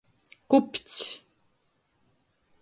Kupcs.